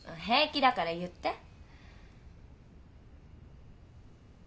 平気だから言って。